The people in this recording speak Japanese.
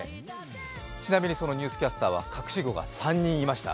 ちなみにそのニュースキャスターは隠し子が３人いました。